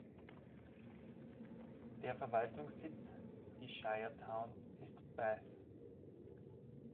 Der Verwaltungssitz, die Shire Town, ist Bath.